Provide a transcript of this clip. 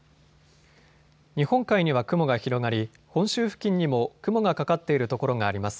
日本海には雲が広がり本州付近にも雲がかかっている所があります。